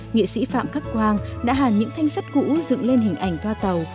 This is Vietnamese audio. nghệ sĩ phạm khắc quang đã hàn những thanh sắt cũ dựng lên hình ảnh toa tàu